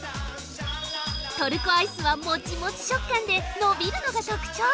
◆トルコアイスはもちもち食感で伸びるのが特徴。